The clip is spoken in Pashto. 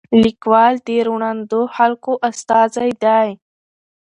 لیکوال د روڼ اندو خلکو استازی دی.